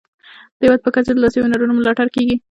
د هیواد په کچه د لاسي هنرونو ملاتړ کیږي.